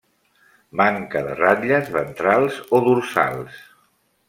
Manca de ratlles ventrals o dorsals.